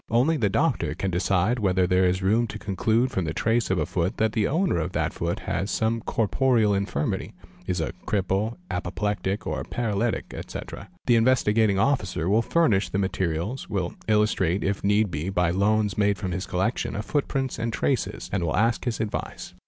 Only the doctor can decide whether there is room to conclude from the trace of a foot that the owner of that foot has some corporeal infirmity (is a cripple, apoplectic, or paralytic, etc.). The Investigating Officer will furnish the materials, will illustrate if need be by loans made from his collections of footprints and traces, and will ask his advice.